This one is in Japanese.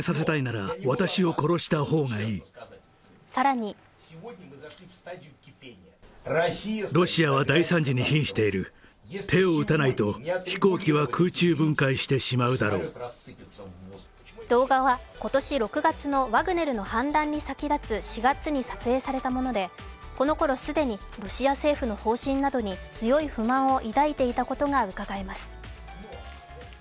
更に動画は今年６月のワグネルの反乱に先立つ４月に撮影されたもので、このころ既にロシア政府の方針などに強い不満を抱いていたことがうかがえます。